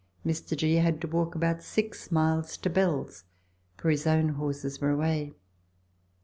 Mr. G. had to walk about six miles to Bell's, for his own horses were away.